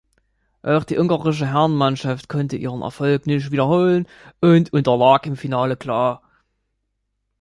Auch die ungarische Herrenmannschaft konnte ihren Erfolg nicht wiederholen und unterlag im Finale klar.